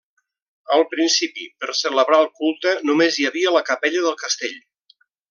Al principi, per celebrar el culte només hi havia la capella del castell.